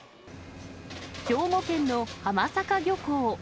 兵庫県の浜坂漁港。